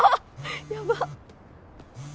やばっ。